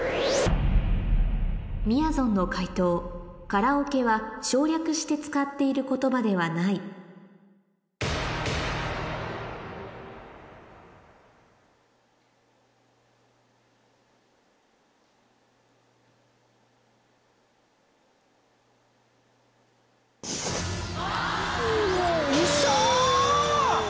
みやぞんの解答カラオケは省略して使っている言葉ではないウソ！